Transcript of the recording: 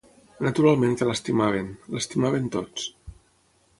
Naturalment que l'estimaven, l'estimaven tots